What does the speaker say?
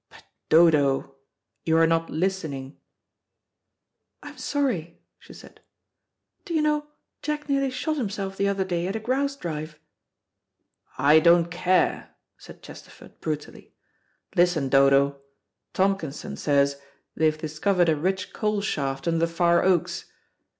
"But, Dodo, you are not listening." "I'm sorry," she said. "Do you know, Jack nearly shot himself the other day at a grouse drive?" "I don't care," said Chesterford brutally. "Listen, Dodo. Tompkinson says they've discovered a rich coal shaft under the Far Oaks.